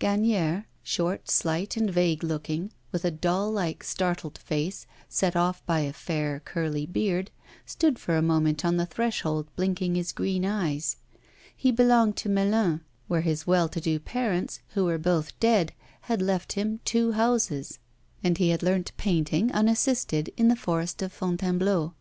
Gagnière, short, slight, and vague looking, with a doll like startled face, set off by a fair curly beard, stood for a moment on the threshold blinking his green eyes. He belonged to Melun, where his well to do parents, who were both dead, had left him two houses; and he had learnt painting, unassisted, in the forest of Fontainebleau.